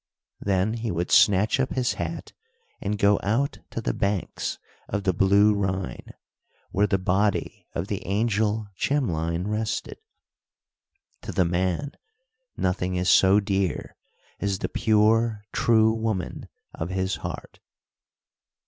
Then he would snatch up his hat and go out to the banks of the blue Rhine, where the body of the angel Chimlein rested. To the man, nothing is so dear as the pure, true woman of his heart.